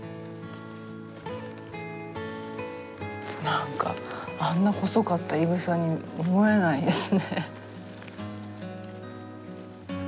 何かあんな細かったいぐさに思えないですね。